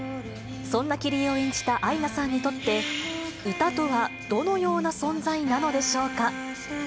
そんなキリエを演じたアイナさんにとって、歌とはどのような存在なのでしょうか。